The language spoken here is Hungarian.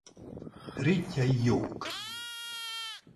Rétjei jók.